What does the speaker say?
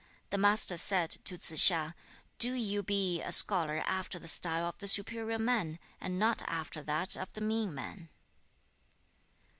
The Master said to Tsze hsia, 'Do you be a scholar after the style of the superior man, and not after that of the mean man.'